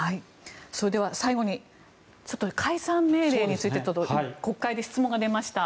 それでは、最後に解散命令について国会で質問が出ました。